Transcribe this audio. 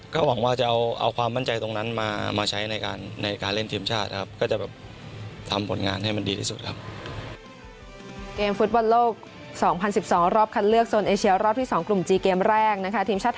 ก็หวังว่าจะเอาความมั่นใจตรงนั้นมาใช้ในการเล่นทีมชาติครับ